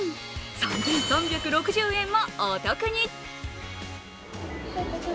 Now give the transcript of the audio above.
３３６０円もお得に。